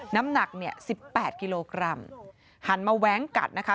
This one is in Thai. น้ำหนักเนี่ยสิบแปดกิโลกรัมหันมาแว้งกัดนะคะ